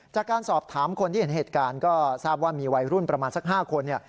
จากการสอบถามคนที่เห็นเหตุการณ์ก็ทราบว่ามีวัยรุ่นประมาณสัก๕คนเนี่ย